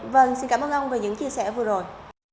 vâng xin cảm ơn ông về những chia sẻ vừa rồi